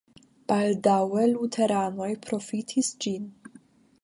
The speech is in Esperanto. Baldaŭe luteranoj profitis ĝin.